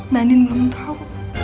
mbak nin belum tau